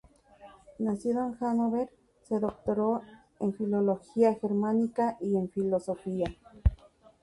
Nacido en Hannover, se doctoró en filología germánica y en filosofía.